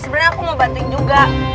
sebenernya aku mau bantuin juga